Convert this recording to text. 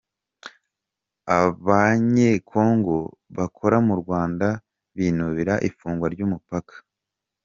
Abanyekongo bakora mu Rwanda binubira ifungwa ry’umupaka